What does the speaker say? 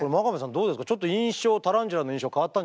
どうですか？